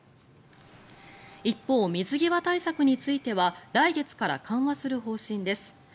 一方、水際対策については来月から緩和する方針です。